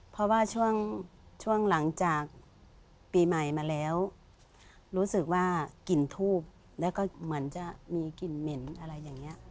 เพราะว่าช่วงหลังจากปีใหม่มาแล้วรู้สึกว่ากลิ่นทูบแล้วก็เหมือนจะมีกลิ่นเหม็นอะไรอย่างนี้